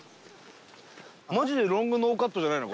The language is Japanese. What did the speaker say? マジでロングノーカットじゃないの？